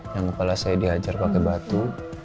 yang kepala saya dihajar pakai batu